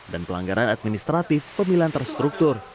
dan pelanggaran administratif pemilihan terstruktur